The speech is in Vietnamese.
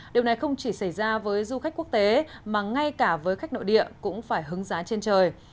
điều này không chỉ xảy ra với du khách quốc tế mà ngay cả với khách nội địa cũng phải hứng giá trên trời